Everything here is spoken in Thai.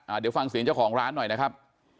เดี๋ยวฟังเสียงเจ้าของร้านหน่อยนะครับ